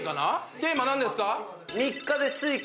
テーマ何ですか？